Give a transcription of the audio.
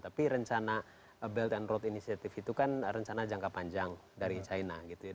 tapi rencana belt and road initiative itu kan rencana jangka panjang dari china gitu ya